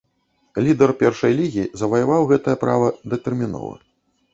Лідар першай лігі заваяваў гэтае права датэрмінова.